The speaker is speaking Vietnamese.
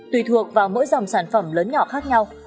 tùy thuộc vào mỗi dòng sản phẩm lớn nhỏ khác nhau